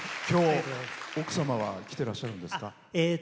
きょう、奥様は来てらっしゃるんですか？